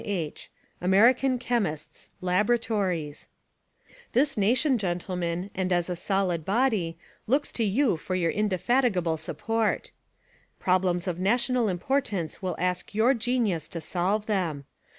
IH. ( American ) Chemists — Laboratories. This nation, gentlemen, and as a solid body, looks to you for your_ inde fatigable support. Problems of national importance will ask your genius to solve them.